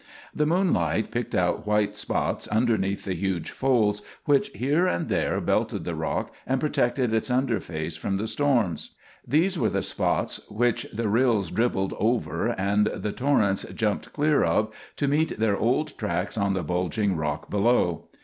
The moonlight picked out white spots underneath the huge folds which here and there belted the rock and protected its under face from the storms. These were the spots which the rills dribbled over and the torrents jumped clear of to meet their old tracks on the bulging rock below.